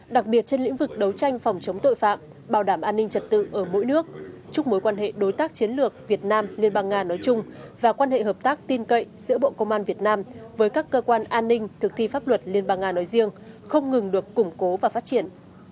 đặc biệt trên lĩnh vực đấu tranh phòng chống tội phạm bảo đảm an ninh trật tự ở mỗi nước chúc mối quan hệ đối tác chiến lược việt nam liên bang nga nói chung và quan hệ hợp tác tin cậy giữa bộ công an việt nam với các cơ quan an ninh thực thi pháp luật liên bang nga nói riêng không ngừng được củng cố và phát triển